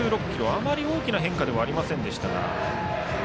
あまり大きな変化ではありませんでしたが。